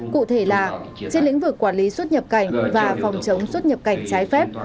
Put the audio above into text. cụ thể là trên lĩnh vực quản lý xuất nhập cảnh và phòng chống xuất nhập cảnh trái phép